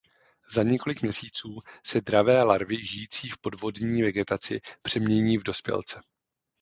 Za několik měsíců se dravé larvy žijící v podvodní vegetaci přemění v dospělce.